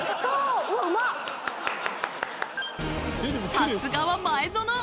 さすがは前園。